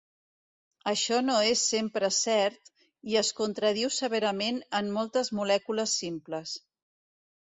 Això no és sempre cert i es contradiu severament en moltes molècules simples.